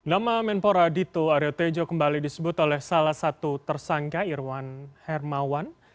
nama menpora dito aryo tejo kembali disebut oleh salah satu tersangka irwan hermawan